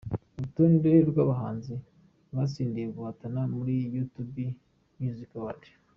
Urutonde rw’abahanzi batsindiye guhatana muri YouTube Music Awards :.